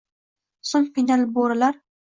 soʻng qiynalib burilar